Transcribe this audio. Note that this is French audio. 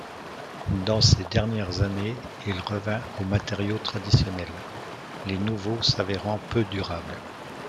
Dans ses dernières années, il revint aux matériaux traditionnels, les nouveaux s'avérant peu durables.